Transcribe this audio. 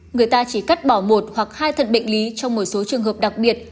người ta chỉ cắt bỏ một hoặc hai thận bệnh lý trong một số trường hợp đặc biệt